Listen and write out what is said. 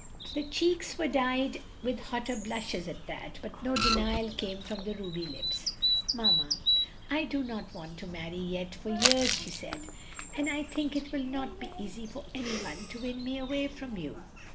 The cheeks were dyed with hotter blushes at that, but no denial came from the ruby lips. "Mamma, I do not want to marry yet for years," she said, "and I think it will not be easy for any one to win me away from you."